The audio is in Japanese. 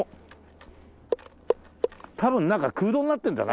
多分中空洞になってるんだな